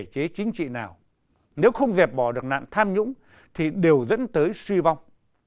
chế chính trị nào nếu không dẹp bỏ được nạn tham nhũng thì đều dẫn tới suy vong